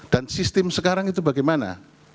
dan sistem sekarang itu bagaimana